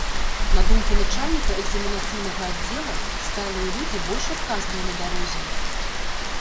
На думку начальніка экзаменацыйнага аддзела, сталыя людзі больш адказныя на дарозе.